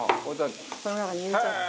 この中に入れちゃって。